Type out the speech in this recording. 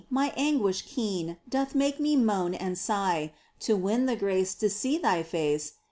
my anguish keen Doth make me moan and sigh To win the grace to see Thy face.